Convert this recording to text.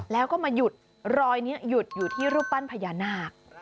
แล้วก็มาหยุดรอยนี้หยุดอยู่ที่รูปปั้นพญานาค